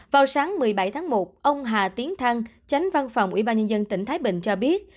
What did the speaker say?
vào sáng một mươi bảy tháng một ông hà tiến thăng tránh văn phòng ủy ban nhân dân tỉnh thái bình cho biết